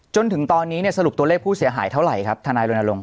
จนถึงตอนนี้สรุปตัวเลขผู้เสียหายเท่าไหร่ครับทนายรณรงค